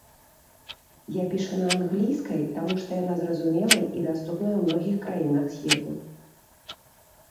Я пішу на англійскай таму што яна зразумелай і даступная ў многіх краінах свету.